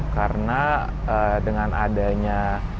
karena dengan adanya